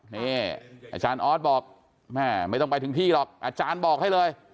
นี่อาจารย์ออสบอกแม่ไม่ต้องไปถึงที่หรอกอาจารย์บอกให้เลย